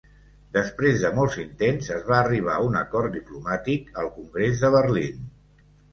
Després de molts intents, es va arribar a un acord diplomàtic al Congrés de Berlín.